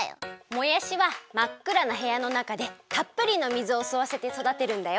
もやしはまっくらなへやのなかでたっぷりの水をすわせて育てるんだよ！